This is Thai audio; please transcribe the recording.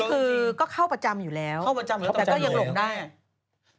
ก็คือก็เข้าประจำอยู่แล้วเข้าประจำอยู่แล้วแต่ก็ยังหลงได้อ่ะ